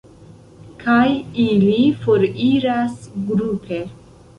Kaj ili foriras grupe.